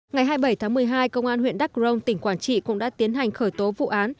ngày hai mươi bảy tháng một mươi hai công an huyện đắk rông tỉnh quảng trị cũng đã tiến hành khởi tố vụ án